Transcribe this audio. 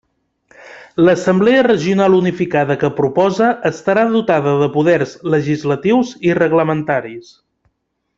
L'assemblea regional unificada que proposa estarà dotada de poders legislatius i reglamentaris.